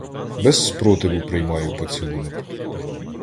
Без спротиву приймаю поцілунок.